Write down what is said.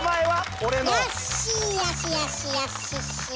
やっしーやしやしやっしっしー。